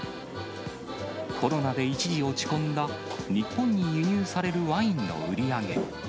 コロナで一時落ち込んだ、日本に輸入されるワインの売り上げ。